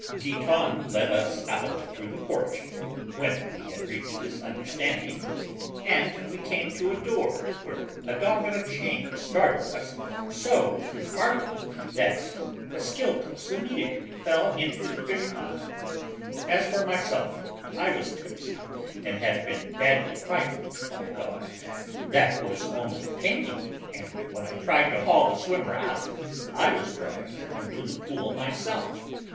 Giton led us out through the porch, when we had reached this understanding, and we came to a door, where a dog on a chain startled us so with his barking that Ascyltos immediately fell into the fish pond. As for myself, I was tipsy and had been badly frightened by a dog that was only a painting, and when I tried to haul the swimmer out, I was dragged into the pool myself.